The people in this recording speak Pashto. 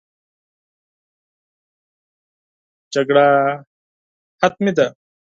جګړه حتمي ده.